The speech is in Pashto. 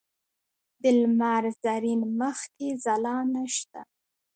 د لمر زرین مخ کې ځلا نشته